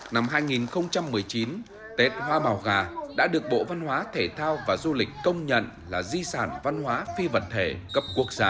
năm hai nghìn một mươi chín tết hoa màu gà đã được bộ văn hóa thể thao và du lịch công nhận là di sản văn hóa phi vật thể cấp quốc gia